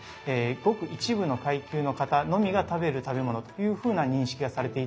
ごく一部の階級の方のみが食べる食べ物というふうな認識がされていたと。